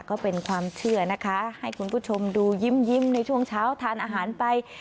ก็เป็นความเชื่อนะคะให้คุณผู้ชมดูยิ้มในช่วงเช้าทานอาหารไป